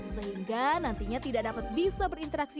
sehingga nantinya tidak dapat bisa berinteraksi